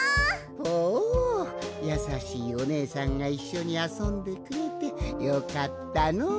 ほうやさしいおねえさんがいっしょにあそんでくれてよかったのう。